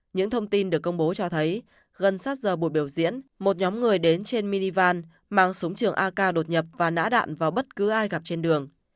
những thông tin được công bố cho thấy gần sát giờ buổi biểu diễn một nhóm người đến trên minival mang súng trường ak đột nhập và nã đạn vào bất cứ ai gặp trên đường